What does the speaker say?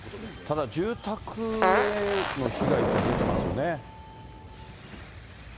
ただ、住宅への被害というのは出てますよね。